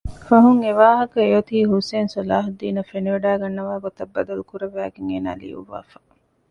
ފަހުން އެވާހަކަ އެއޮތީ ޙުސައިން ޞަލާޙުއްދީނަށް ފެނިވަޑައިގަންނަވާ ގޮތަށް ބަދަލުކުރައްވައިގެން އޭނާ ލިޔުއްވާފަ